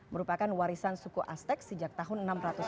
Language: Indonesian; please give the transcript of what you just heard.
merupakan warisan suku aztek sejak tahun enam ratus lima puluh